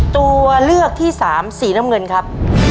ตัวเลือกที่สามสีน้ำเงินครับ